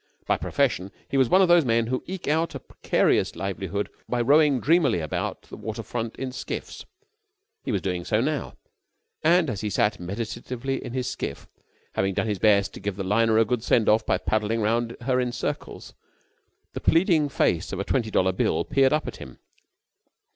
By profession he was one of those men who eke out a precarious livelihood by rowing dreamily about the waterfront in skiffs. He was doing so now: and, as he sat meditatively in his skiff, having done his best to give the liner a good send off by paddling round her in circles, the pleading face of a twenty dollar bill peered up at him.